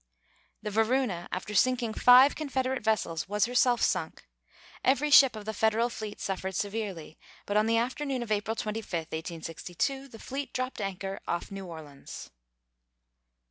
The Varuna, after sinking five Confederate vessels, was herself sunk. Every ship of the Federal fleet suffered severely, but on the afternoon of April 25, 1862, the fleet dropped anchor off New Orleans.